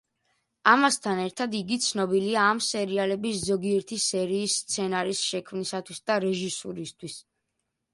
ამასთან ერთად, იგი ცნობილია ამ სერიალების ზოგიერთი სერიის სცენარის შექმნისთვის და რეჟისურისთვის.